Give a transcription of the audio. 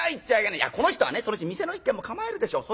いやこの人はねそのうち店の１軒も構えるでしょう。